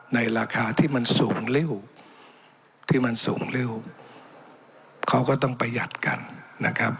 ในราคาที่มันสูงริ้วที่มันสูงริ้วเขาก็ต้องประหยัดกันนะครับ